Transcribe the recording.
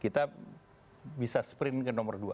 kita bisa sprint ke nomor dua